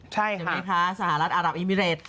ใช่ค่ะสหรัฐอัรับอิมิเรต